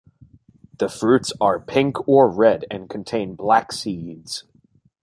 The fruits are pink or red and contain black seeds.